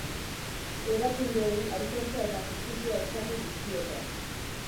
Erakundeei aitortza eta justizia eskatu dizkiete.